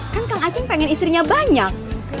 kan kang aceh pengen istrinya banyak